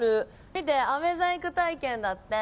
見て、あめ細工体験だって。